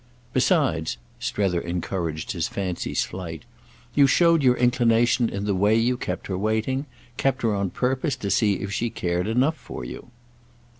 Besides"—Strether encouraged his fancy's flight—"you showed your inclination in the way you kept her waiting, kept her on purpose to see if she cared enough for you."